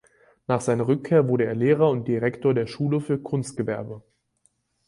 Nach seiner Rückkehr wurde er Lehrer und Direktor der Schule für Kunstgewerbe.